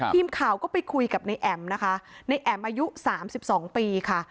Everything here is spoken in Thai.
ทีมข่าวก็ไปคุยกับในแอ๋มนะคะในแอ๋มอายุ๓๒ปีค่ะ